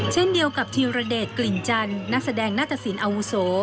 เช่นเดียวกับธีรเดชกลิ่นจันทร์นักแสดงหน้าตสินอาวุโส